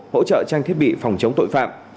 hỗ trợ tranh thiết bị phòng chống tội phạm